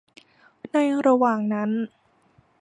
ในระหว่างนั้น